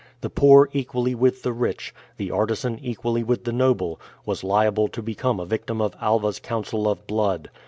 The poor equally with the rich, the artisan equally with the noble, was liable to become a victim of Alva's Council of Blood.